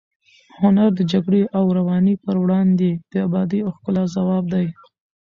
هنر د جګړې او ورانۍ پر وړاندې د ابادۍ او ښکلا ځواب دی.